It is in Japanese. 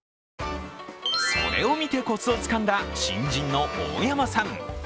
それを見てこつをつかんだ新人の大山さん。